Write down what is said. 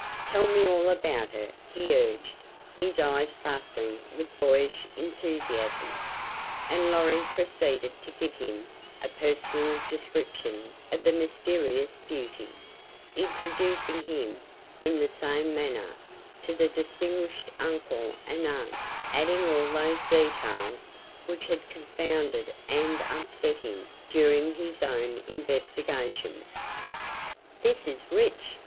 "Tell me all about her," he urged, his eyes sparkling with boyish enthusiasm. And Lorry proceeded to give him a personal description of the mysterious beauty, introducing him, in the same manner, to the distinguished uncle and aunt, adding all those details which had confounded and upset him during his own investigations. "This is rich!"